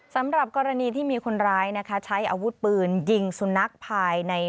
สำหรับกรณีที่มีคนร้ายนะคะใช้อาวุธปืนยิงสุนัขภายใน